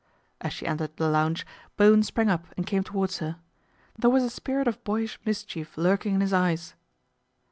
As she entered the lounge, Bowen sprang up and came towards her. There was a spirit of boyish mischief lurking in his eyes.